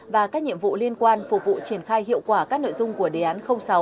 và các nhiệm vụ liên quan phục vụ triển khai hiệu quả các nội dung của đề án sáu